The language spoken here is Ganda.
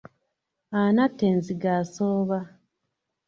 Anatta enzige asooba.